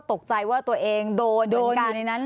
ตกใจว่าตัวเองโดนการในนั้น